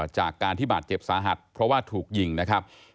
จากการที่บาดเจ็บสาหัสเพราะว่าถูกยิงนะครับ